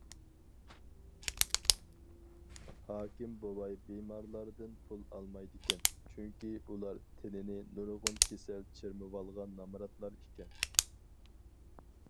ھاكىم بوۋاي بىمارلاردىن پۇل ئالمايدىكەن، چۈنكى ئۇلار تېنىنى نۇرغۇن كېسەل چىرمىۋالغان نامراتلار ئىكەن.